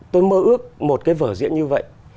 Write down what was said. tôi mơ ước một cái vở diễn như vậy